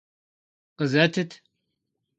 Къызэтыт!